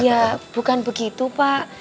iya bukan begitu pak